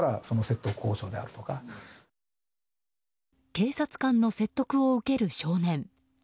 警察官の説得を受ける少年。